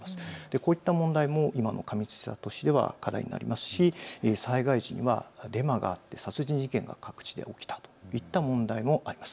こういった問題も今の過密した都市では課題になりますし災害時にデマがあって殺人事件が各地で起きたという問題もあります。